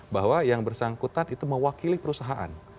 bahwa yang bersangkutan itu mewakili perusahaan